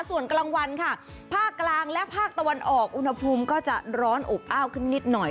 ส่วนกลางวันค่ะภาคกลางและภาคตะวันออกอุณหภูมิก็จะร้อนอบอ้าวขึ้นนิดหน่อย